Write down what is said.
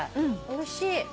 おいしい。